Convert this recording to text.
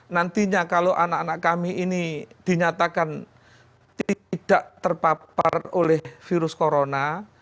nantinya kalau anak anak kami ini dinyatakan tidak terpapar oleh virus corona